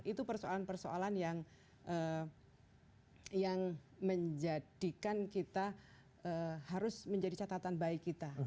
itu persoalan persoalan yang menjadikan kita harus menjadi catatan baik kita